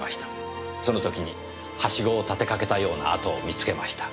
その時にハシゴを立てかけたような跡を見つけました。